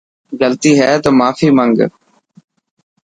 غلطي هي تو ماني منگ.